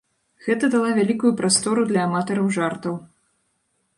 Гэта дала вялікую прастору для аматараў жартаў.